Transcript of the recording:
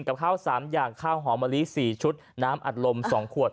กับข้าว๓อย่างข้าวหอมมะลิ๔ชุดน้ำอัดลม๒ขวด